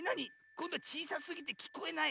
こんどはちいさすぎてきこえない？